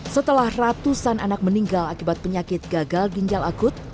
setelah ratusan anak meninggal akibat penyakit gagal ginjal akut